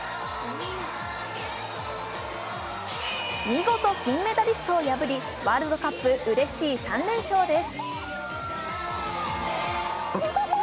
見事金メダリストを破りワールドカップうれしい３連勝です。